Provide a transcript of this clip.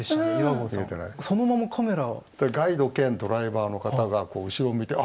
ガイド兼ドライバーの方がこう後ろを見てあ